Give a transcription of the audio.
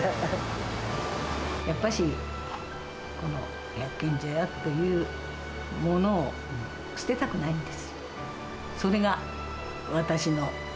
やっぱし、この百軒茶屋というものを捨てたくないんです。